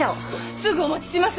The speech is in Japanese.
すぐお持ちします。